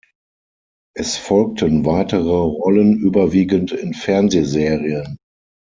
Es folgten weitere Rollen überwiegend in Fernsehserien.